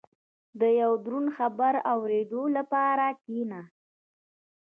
• د یو دروند خبر اورېدو لپاره کښېنه.